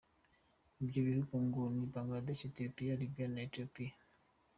Ibyo bihugu ngo ni Bangladesh, Etiyopiya, Liberiya na Etiyopiya.